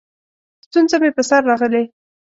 ستونزه مې په سر راغلې؛